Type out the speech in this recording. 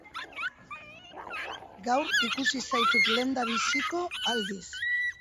Gaur ikusi zaitut lehendabiziko aldiz.